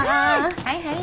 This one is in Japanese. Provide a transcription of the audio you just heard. はいはい。